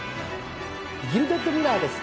ギルデッドミラーです。